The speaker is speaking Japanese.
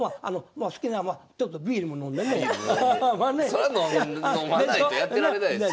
そら飲まないとやってられないですよね。